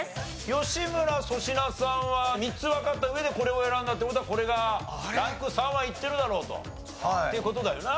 吉村粗品さんは３つわかった上でこれを選んだって事はこれがランク３はいってるだろうとっていう事だよな？